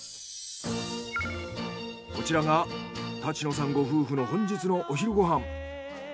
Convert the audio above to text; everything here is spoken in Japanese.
こちらが立野さんご夫婦の本日のお昼ご飯。